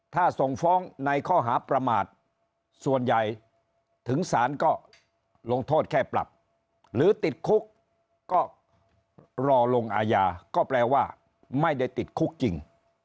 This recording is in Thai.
ถ้าส่งฟ้องในข้อหาประมาทส่วนใหญ่ถึงสารก็ลงโทษแค่ปรับหรือติดคุกก็รอลงอาญาก็แปลว่าไม่ได้ติดคุกจริง